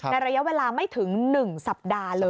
ระยะเวลาไม่ถึง๑สัปดาห์เลย